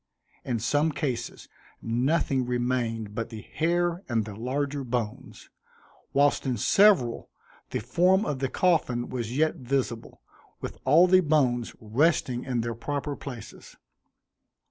In some cases nothing remained but the hair and the larger bones, whilst in several the form of the coffin was yet visible, with all the bones resting in their proper places.